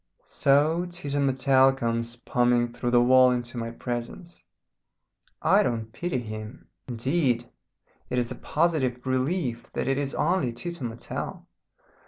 So Tito Mattel comes pumming through the wall into my presence. I don't pity him. Indeed it is a positive relief that it is only Tito Mattel.